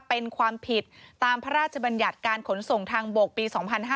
เป็นความผิดตามพระราชบัญญัติการขนส่งทางบกปี๒๕๕๙